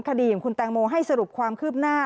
คดีของคุณแตงโมให้สรุปความคืบหน้า